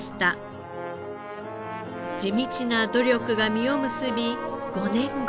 地道な努力が実を結び５年後。